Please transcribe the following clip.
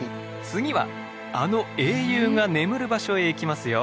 次はあの英雄が眠る場所へ行きますよ。